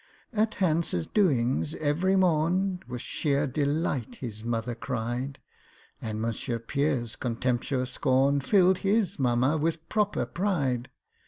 At HANCE'S doings every morn, With sheer delight his mother cried; And MONSIEUR PIERRE'S contemptuous scorn Filled his mamma with proper pride.